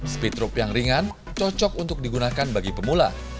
speed rope yang ringan cocok untuk digunakan bagi pemula